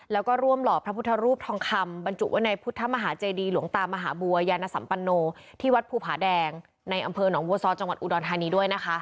แล้วก็ร่วมหล่อพระพุทธรูปทองคำบรรจุไว้ในพุทธมหาเจดีหลวงตามหาบัวยานสัมปันโนที่วัดภูผาแดงในอำเภอหนองบัวซอจังหวัดอุดรธานีด้วยนะคะ